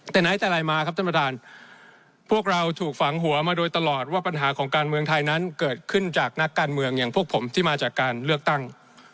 แต่ไหนแต่ไรมาครับท่านประธานพวกเราถูกฝังหัวมาโดยตลอดว่าปัญหาของการเมืองไทยนั้นเกิดขึ้นจากนักการเมืองอย่างพวกผมที่มาจากการเลือกตั้ง